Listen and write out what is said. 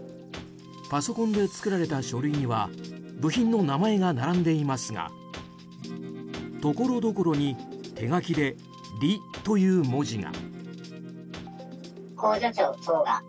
パソコンで作られた書類には部品の名前が並んでいますがところどころに手書きで「リ」という文字が。